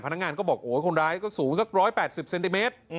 พนักงานก็บอกโอ้ยคนร้ายก็สูงสัก๑๘๐เซนติเมตร